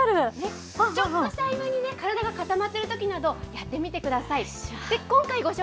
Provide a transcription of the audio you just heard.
ちょっとした合間に体が固まってるときなど、やってみてください。